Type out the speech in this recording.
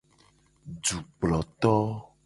Dukploto.